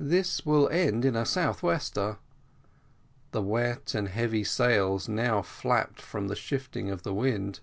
"This will end in a south wester." The wet and heavy sails now flapped from the shifting of the wind.